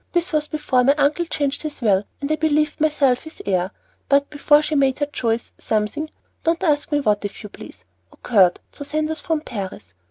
This was before my uncle changed his will, and I believed myself his heir; but, before she made her choice, something (don't ask me what, if you please) occurred to send us from Paris.